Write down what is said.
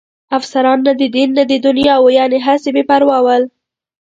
افسران نه د دین نه د دنیا وو، یعنې هسې بې پروا ول.